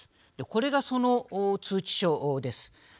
これがその通知書です。